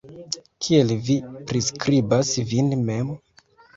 Kiel vi priskribas vin mem?